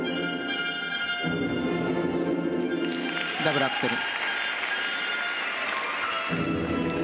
ダブルアクセル。